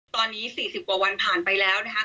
ตอนนี้๔๐กว่าวันผ่านไปแล้วนะคะ